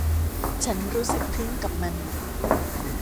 ฉันรู้สึกทึ่งกับมัน